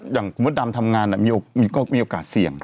อย่างคุณมดดำทำงานมีโอกาสเสี่ยง